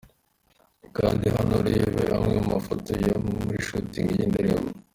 Kanda hano urebe amwe mu mafoto yo muri Shooting y'iyi ndirimbo.